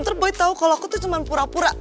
ntar boleh tahu kalau aku tuh cuma pura pura